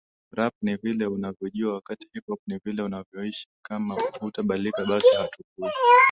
Rap ni vile unavyojua wakati hip hop ni vile unavyoishi Kama hatubadiliki basi hatukui